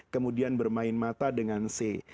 kemudian bermain mata dengan c